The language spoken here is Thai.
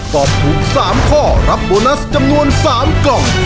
ตอบถูก๓ข้อรับโบนัสจำนวน๓กล่อง